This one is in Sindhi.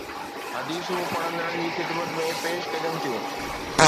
حديثون پڙهندڙن جي خدمت ۾ پيش ڪجن ٿيون